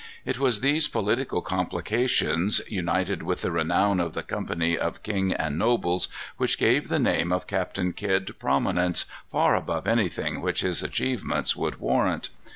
It was these political complications, united with the renown of the company of king and nobles, which gave the name of Captain Kidd prominence far above anything which his achievements would warrant.